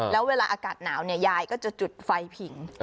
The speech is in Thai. แล้วเวลาอากาศหนาวเนี่ยยายก็จะจุดไฟผิง